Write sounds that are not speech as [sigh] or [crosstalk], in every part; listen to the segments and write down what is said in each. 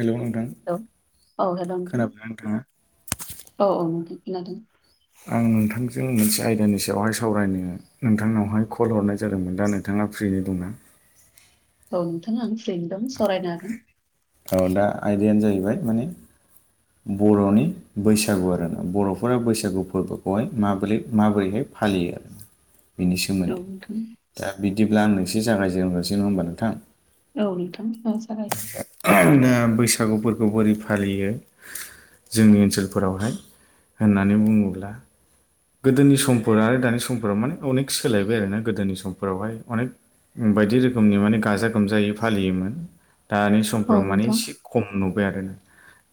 Hello नोंथां हेल औ हेल' नोंथां खोनाबायना नोंथाङा? औ औ नोंथां खोनादों आं नोंथांजों मोनसे आयदानि सायावहाय सावरायनो नोंथांनावहाय कल हरनाय जादोंमोन दा नों थाङा फ्रिनो दंना औ नोंथां आं फ्रिनो दं सरायनो हागोन औ दा आयदायानो जाहैबाय माने बर'नि बैसागु आरोना बर'फोरा बैसागु फोरबोखौहाय माबोरै माबोरैहाय फालियो बिनि औ सोमोन्दै नोंथां दा बिदिब्ला आं नोंस जागायजेनग्रसै नङा होनबा नोंथां? औ नोंथां औ सारायदों। नो बैसागुफोरखौ बोरै फालियो। जोंनि ओनसोलफोरावहाय होननानै बुङोब्ला गोदोनि समफोर आरो दानि समफोराव माने अनेक सोलायबाय आरोना गोदोनि समफोरावहाय अनेक बायदि रोखोमनि माने गाजा गोमजायै फालियोमोन। दानि सम औ समफ्राव माने नोंथां एसे खम नुबाय आरो ना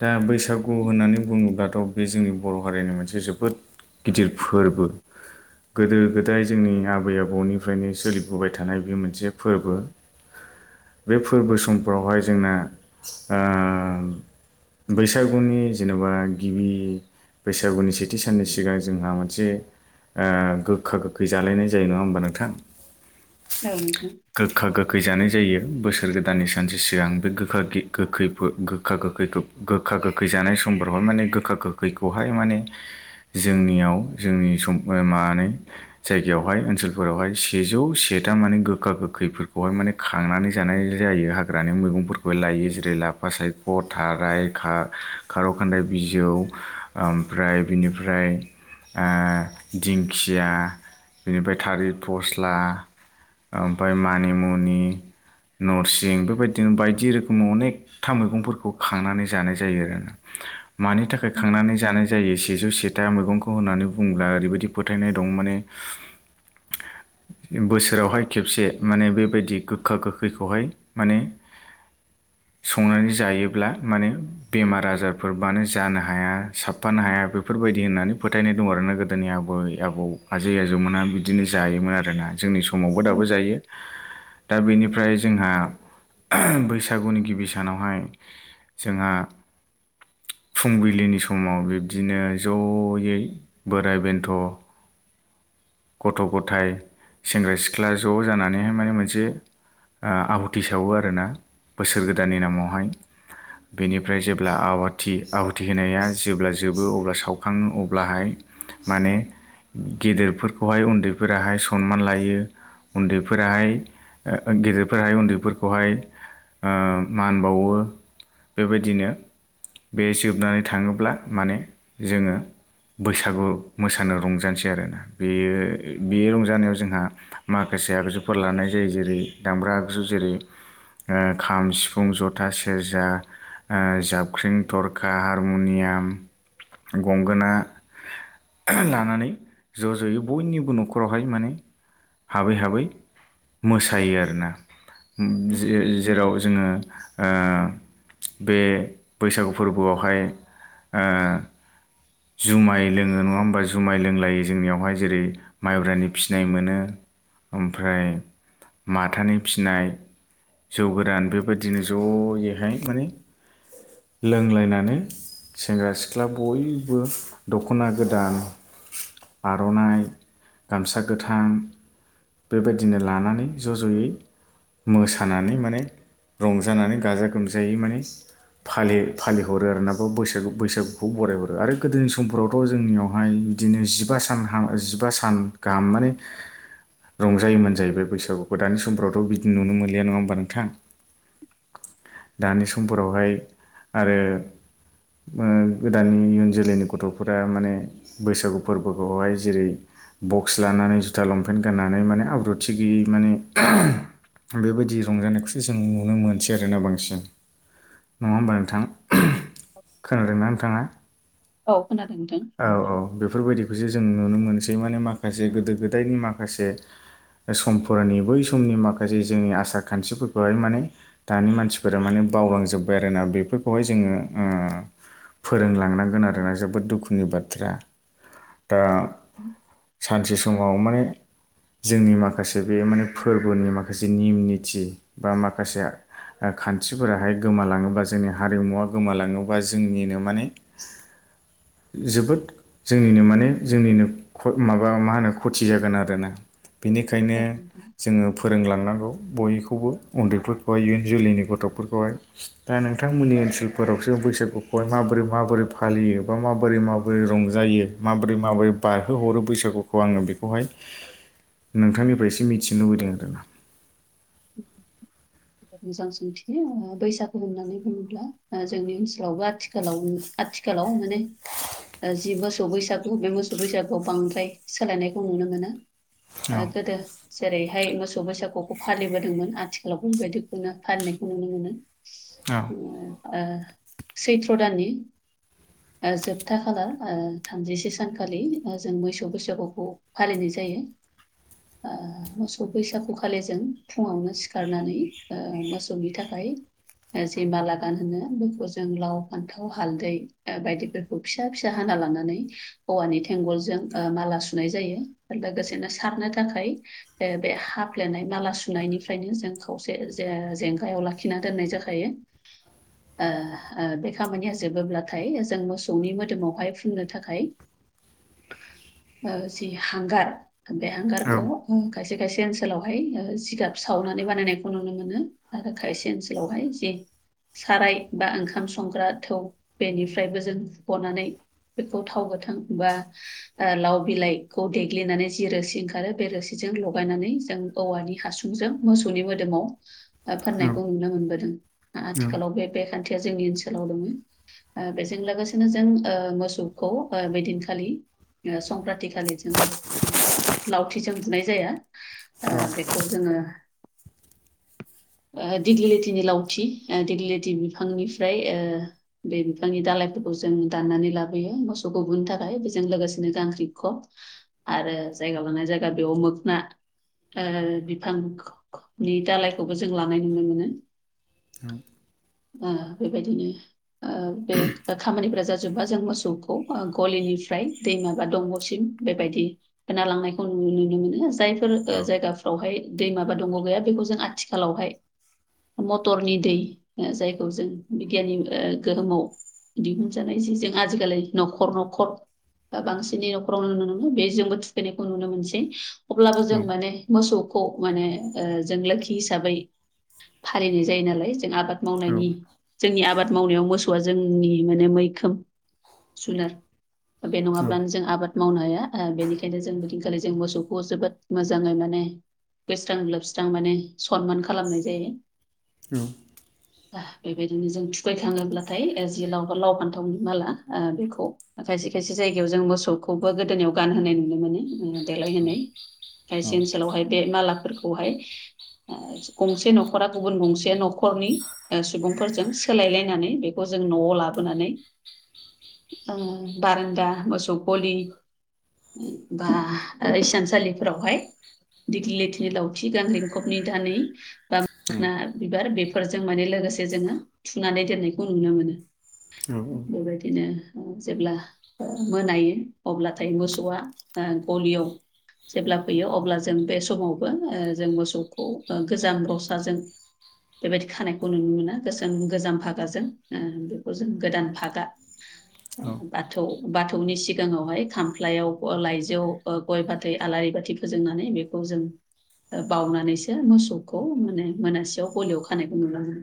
दा बैसागु होननानै बुङोब्लाथ' बे जोंनि बर' हारिनि मोनसे जोबोद गिदिर फोरबो गोदो गोदाय जोंनि आबै आबौनिफ्रायनो सोलिबोबाय थानाय बे मोनसे फोरबो। बे फोरबो समफ्रावहाय जोंना आ बैसागुनि जेन'बा गिबि बैसागुनि सेथि साननि सिगां जोंहा मोनसे गोखा गोखै जालायनाय जायो नङा होमबा नोंथां? औ। गोखा गोखै जानाय जायो बोसोर गोदाननि सानसे सिगां बे गोखा गोखै गोखा गोखैखौ गोखा गोखै जानाय समफोरावहाय माने गोखा गोखैखौहाय माने जोंनियाव जोंनि सम माबानानै जायगायावहाय ओनसोलफोरावहाय सेजौ सथा माने गोखा गोखैफोरखौहाय माने खांनानै जानाय जायो हाग्रानि मैगंफोरखौ लायो जेरै लाफा सायख' थारायखा खारौ खान्दाय बिजौ ओमफ्राय बिनि ओमफ्राय दिंखिया बिनिफ्राय थालिर फस्ला ओमफ्राय मानिमुनि नरसिं बेबायदिनो बायदि रोखोमनि अनेक था मैगंफोरखौ खांनानै जानाय जायो आरो ना मानि थाख खांनानै जानाय जायो सेजौ से। फिथा मैगंखौ होननानै बुंङोब्ला ओरैबायाददि फोथायनाय दं माने बोसोरावहाय खेबसे माने बेबायदि गोखा गोखैखौहाय माने संनानै जायोब्ला माने बेमार आजारफोरबानो जानो हाया साबफानो हाया बेफोरबायदि बिदि होननानै फोथायनाय दं आरोना गोदोनि आबै आबौ आजै आजौमोनहा बिदिनो जायोमोन आरोना। जोंनि समावबो औ दाबो जायो। दा बेनिफ्राय जोंहा बैसागुनि गिबि सानावहाय जोंहा फुंबिलिनि समाव बिब्दिनो ज'यै बोराय बेन्थ' गथ' गथाय सेंग्रा सिख्ला ज' जानानैहाय माने मोनसे आहुथि सावो आरोना बोसोर गोदाननि नामावहाय। बेनिफ्राय जेब्ला आवाथि आवाथि होनाया जेब्ला जोबो अब्ला साव खाङो अब्लाहाय माने गेदेरफोरखौहाय उन्दैफोराहाय सनमान लायो। उन्दैफोराहाय गेदेरफोराहाय उन्दैफोरखौहाय मान बावो बेबायदिनो बे जोबनानै थाङोब्ला माने जोङो बैसागु मोसानो रंजानोसै आरोना बेयो बे रंजानायाव जोंहा माखासे आगजुफोर लानाय जायो जेरै दामब्रा आगजु जेरै खाम सिफुं जथा सेरजा जाबख्रिं थरखा हारमुनियाम गंगोना लानानै ज' ज'यै बयनिबो न'खरावहाय माने हाबै हाबै मोसायो आरोना जेराव जोङो बे बैसागु फोरबोआवहाय ओ जुमाय लोङो नङा होमबा जुमाय लोंलायो जोंनियावहाय जेरै माइब्रानि फिनाय मोनो ओमफ्राय माथानि फिनाय जौ गोदान बेबायदिनो ज'यैहाय माने लोंलायनानै सेंग्रा सिख्ला बयबो बो दख'ना गोदान आर'नाइ गामसा गोथां बेबायदिनो लानानै ज' ज'यै मोसानानै माने रंजानानै गाजा गोमजायै माने फालि फालिहरो आरो ना बा बैसागु बैसागुखौ बराय हरो आरो गोदोनि समफोरावथ' जोंनियावहाय बिदिनो जिबा सान जिबा सान गाहाम माने रंजायोमोन जाहैबाय बैसागुखौ दानि समफ्रावथ' बिदि नुनो मोनलिया नङा होमबा नोंथां दानि समफोरावहाय आरो गोदान इय जोलैनि गथ'फोरा माने बैसागु फोरबोखौहाय जेरै बक्स लानानै जुथा लंपेन्ट गाननानै माने आब्रुथि गैयै माने बेबायदि रंजानायखौसो जों नुनो मोनसै आरोना बांसिन नङा होमबानोों थां खोनादोंनानै थाङा औ खोनादोंथ औ औ बेफोरबायदिखौसो जों नुनो मोनसै माने माखासे गोदो गोदायनि माखासे समफोरनि बै समनि माखासे जोंनि आसार खान्थिफोरखौहाय माने दानि मानसिफोरा माने बावलांजोब्बाय आरोोना बेफोरखौहाय जोङो फोरोंलांनांगोन आरोना जोबोद दुखुनि बाथ्रा दा उ सानसे समाव माने जोंनि माखासे बे माने फोरबोनि माखासे निम निथि बा माखासे खान्थिफोराहाय गोमालाङोबा जोंनि हारिमुवा गोमालाङोबा जोंनिनो माने जोबोद जोंनिनो माने जोंनिनो माबा मा होनो खथि जागोन आरोोना बेनिखायनो औ नोंथां जोङो फोरोंलांनांगौ बयखौबो उन्दैफोरखौहाय इयुन जोलैनि गथ'फोरखौहाय दा नोंथांमोननि ओनसोलफोरावसो बैसागुखौहाय माबोरै माबोरै फालियो बा माबोरै माबोरै रंजायो माबोरै माबोरै बारहोहरो बैसागुखौ आङो बेखौहाय नोंथांनिफ्रायसे मिथिनो लुबैदों आरोना [inaudible] मोजां सोंथियो बैसागु होननानै बुङोब्ला जोंनि ओनसोलावबो आथिखालाव आथिखालाव माने जि मोसौ बैसागु बे मोसौ बैसागुआव बांद्राय सोलायनायखौ नुनो मोनो गोदो जेरैहाय मोसौ बैसागुखौ फालिबोदोंमोन आथिखालाव बेबायदिखौना फाननायखौ नुनो मोनो औ ओ सैथ्र' दाननि जोबथा खालार थामजिसे सानखालि जों मोसौ बैसागुखौ फालिनाय जायो मोसौ बैसागु खालि ज फुङावनो सिखारनानै मोसौनि थाखाय सैमा लागान होनो लोगोजों लाव फान्थाव हालदै बायदिफोरखौ बे फिसा फिसा हाना लानानै हौवानि थेंगलजों माला सुनाय जायो लोगोसेनो सारनो थाखाय बे हाफ्लेनाय माला सुनायनिफ्रायनो जों खावसे ज जेंगायाव लाखिना दोननाय जाखायो [inaudible] बे खामानिया जोबोब्लाथाय जों मोसौनि मोदोमावहाय फुंनो थाखाय आ सि हांगार बे हांगारखौ खायसे खायसे ओनसोलावहाय जिगाब सावनानै बानायनाय खौ नुनो मोनो आरो खायसे ओनसोलावहाय जे साराय बा ओंखाम संग्रा थौ बेनिफ्रायबो जों बनानै बेखौ थाव गोथांबा ओ लाव बिलाइखौ देग्लिनानै जि रोसि ओंखारो बे रोसिजों लगायनानै जों औवानि हासुंजों मोसौनि मो दोमाव फोननायखौ नुनो मोनबोदों आथिखालाव बे बे खानथि जोंनि ओनसोलाव दङ ओ बेजों लोगोसेनो जों ओ मोसौखौ ओ बे दिन खालि संक्रान्ति खालि जों लावथिजों बुनाय जाया ओ बेखौ जोङो ओ दिग्लिथिनि लावथि दिग्लिथि बिफांनिफ्राय ओ बे बिफांनि दाालायफोरखौ जों दाननानै लाबोयो मोसौ गुबुननि थाखाय बेजों लोगोसेनो गांख्रि खब आरो जायगा लाना जायगा बेयाव मोखना ओ बिफां [unintelligible] नि दालायखौबो जों लानाय नुनो मोनो औ आ बेबायदिनो ओ बे खामानिफोरा जाजोबबा जों मोसौखौ गलिनिफ्राय दै माबा दंग'सिम बेबायदि होना लांनायखौ नुनो मोनो जायफोर जायगाफ्रावहाय दै माबा दं गैया बेखौ जों आथिखालावहाय मटरनि दै जायखौ जों बिगियाननि गोहोमाव दिहुनजानाय जि जों आजिखालि न'खर न'खर दा बांसिनै न'खरावनो नुनो मोनो बेजोंबो थुखैनायखौ नुनो मोनसै अब्लाबो जों माने मोसौखौ माने ओ जों लोखि हिसाबै फालिनाय जायो नालाय जों आबाद मावनायनि औ जोंनि आबाद मावनायाव मोसौआ जोंनि माने मैखोम जुनार बे नङाब्लानो औ जों आबाद मावनो हाया बेनिखायनो जों बे दिन खालि जों मोसौखौ जोबोद मोजाङै माने दुगैस्रां लोबस्रां माने सनमान खालामनाय जायो औ बेबायदिनो जों थुखैखाङोब्लाथाय जि लाव लाव फान्थावनि माला बेखौ खायसे खायसे जायगायाव जों मोसौखौबो गोदोनायाव गानहोनाय नुनो मोनो देलायहोनाय खायसे ओनसोलावहाय बे मालाफोरखौहाय गंसे न'खरा गुबुन गंसे न'खरनि सुबुंफोरजों सोलायलायनानै बेखौ जों न'आव लाबोनानै ओ बारोन्दा मोसौ गलि बा ओ इसानसालिफोरावहाय दिग्लिथिनि लावथि गांग्रिं खबनि दानै बा मोनखा बिबार बेफोरजों माने लोगोसे जोङो थुनानै दोननायखौ नुनो मोनो बेबायदिनो जेब्ला ओ मोनायो अब्लाथाय मोसौआ गलियाव जेब्ला फैयो अब्ला जों बे समावबो जों मोसौखौ गोजाम रसाजों बेबायदि खानायखौ नुनो मोना गोसोम गोजाम भागाजों बेखौ जों गोदान भागा बाथौ बाथौनि सिगाङावहाय खामफ्लायाव लाइजौ गय फाथै आलारि बाथि फोजोंनानै बेखौ जों बाउनानैसो मोसौखौ माने मोनासेयाव गलियाव खानायखौ नुलाङो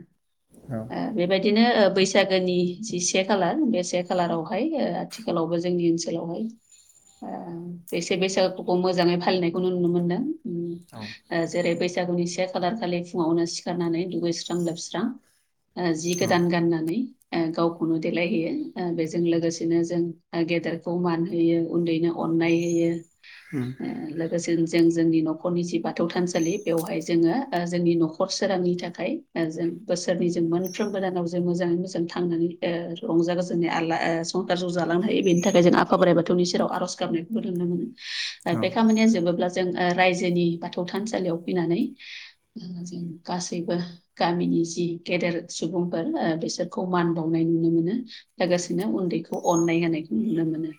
बेबायदिनो बैसागोनि जि से खालार बे से खालारावहाय आथिखालावबो जोंनि ओनसोलावहाय [inaudible] [unintelligible] बेसे बैसागुखौ मोजाङै फालिनायखौ नुनो मोनदों उम औ ओ जेरै बैसागुनि से खालार खालि फुङावनो सिखारनानै दुगैस्रां लोबस्रां जि औ गोदान गाननानै ओ गावखौनो देलायहैयो बेजों लोगोसेनो जों गेदेरखौ मान होयो उन्दैनो अननाय होयो ओम लोगोसे जों जोंनि न'खरनि सि बा बाथौ थानसालि बेवहाय जोङो जोंनि न'खर सोरांनि थाखाय जों बोसोरनै जों साफ्रोम गोदानाव जों मोजाङै मोजां थांनानै रंजा गोजोनै आला संसारखौ जालांनो हायो बेनि थाखाय जों आफा बोराइ बाथौनि सेराव आर'ज गाबनायखौबो नुनो औ मोनो बे खामानिया जोबोब्ला जों रायजोनि बा थौ थानसालियाव फैनानै जों गासैबो गामिनि जि गेदेर सुबुंफोर बिसोरखौ मान बावनाय नुनो मोनो लोगोसेनो उन्दैखौ अननाय होनायखौ नुनो मोनो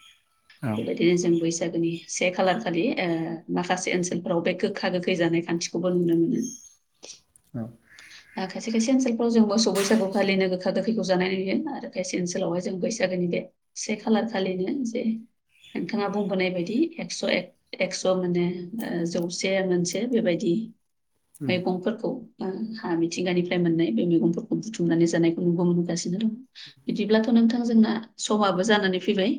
बेबायदिनो जों बैसागोनि से खालारखालि माखासे ओनसोलफोराव बे गो गोखा गोखै जानाय खान्थिखौबो नुनो मोनो औ खायसे खायसे ओनसोलफ्राव जों मोसौ बैसागु खालिनो गोखा गोखैखौ जानाय नुयो आरो खायसे ओनसोलावहाय जों बैसागोनि बे से खालार खालिनो जे नोंथाङा बुंबोनाय बायदि एकस' एकस' माने जौ जौसे मोनसे बेबायदि मैगंफोरखौ हा मिथिंगानिफ्राय मोननाय बे मैगंफोरखौ बुथुमनानै जानायखौ नुबो मोनगासिनो दं बिदिब्लाथ' नोंथां जोंना समाबो जानानै फैबाय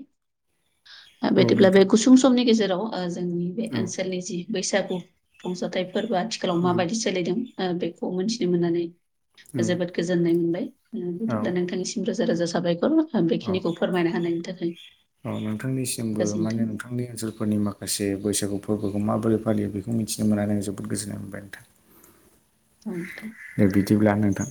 औ बिदिब्ला बे गुसुं समनि गेजेराव जोंनि बे ओनसोलनि जि बैसागु रंजाथाइ फोरबो आथिखालाव माबायदि सोलिदों बेखौ मोनथिनो मोननानै जोबोद गोजोननाय मोनबाय बिदिब्ला नोंथांनिसिम रोजा रोजा साबायखर ओ बेखिनिखौ फोरमायना होनायनि थाखाय औ-औ नोंथांनिसिमबो माने गोजोन्थों। नोंथांनि ओनसोलफोरनि माख खासे बैसागु फोरबोखौ माबोरै फायो बेखौ मिथिनो मोननानै आं जोबोद गोजोननाय मोनबाय नोंथां औ नोंथां बिदिब्ला नोंथां